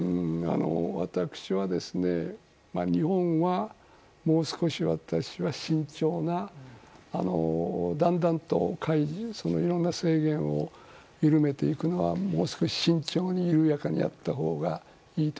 私は、日本はもう少し慎重なだんだんといろんな制限を緩めていくのはもう少し慎重に緩やかにやったほうがいいと。